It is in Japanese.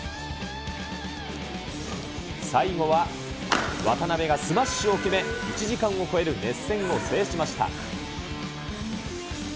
最後は渡辺がスマッシュを決め、１時間を超える熱戦を制しました。